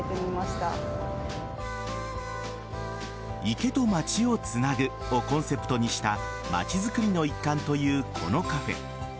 池と街をつなぐをコンセプトにした街づくりの一環というこのカフェ。